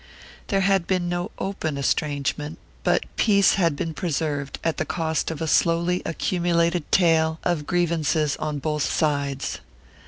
There had been no open estrangement, but peace had been preserved at the cost of a slowly accumulated tale of grievances on both sides.